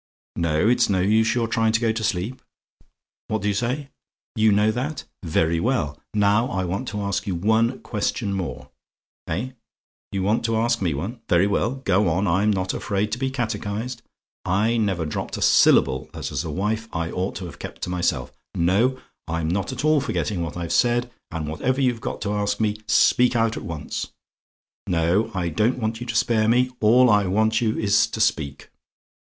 Now, it's no use your trying to go to sleep. What do you say? "YOU KNOW THAT? "Very well. Now I want to ask you one question more. Eh? "YOU WANT TO ASK ME ONE? "Very well go on I'm not afraid to be catechised. I never dropped a syllable that as a wife I ought to have kept to myself no, I'm not at all forgetting what I've said and whatever you've got to ask me speak out at once. No I don't want you to spare me; all I want you is to speak.